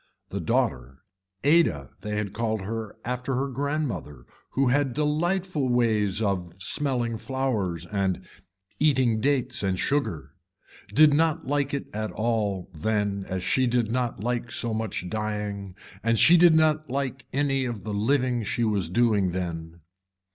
The daughter, Ada they had called her after her grandmother who had delightful ways of smelling flowers and eating dates and sugar, did not like it at all then as she did not like so much dying and she did not like any of the living she was doing then.